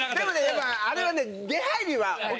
やっぱあれは。